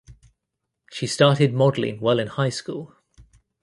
She started modeling while in high school.